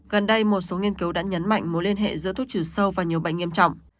gần đây một số nghiên cứu đã nhấn mạnh mối liên hệ giữa thuốc trừ sâu và nhiều bệnh nghiêm trọng